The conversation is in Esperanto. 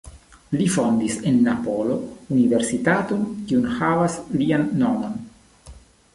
Li fondis en Napolo universitaton kiu nun havas lian nomon.